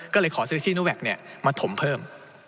ก็เลยขอซื้อชี้นูแว็กเนี่ยมาถมเพิ่ม